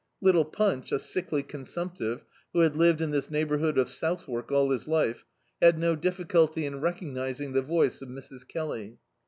"Little Punch," a sickly consumptive, who had lived in this neighbourhood of Southwark all his life, had no difBciilty in recognising the voice of Mrs. Kelly.